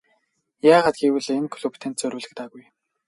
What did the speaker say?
Яагаад гэвэл энэ клуб танд зориулагдаагүй.